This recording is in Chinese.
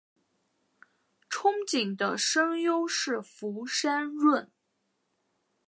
憧憬的声优是福山润。